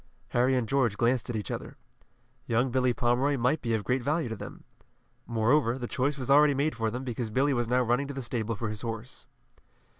Harry and George glanced at each other. Young Billy Pomeroy might be of great value to them. Moreover, the choice was already made for them, because Billy was now running to the stable for his horse.